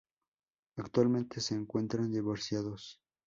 Actualmente se encuentran divorciados.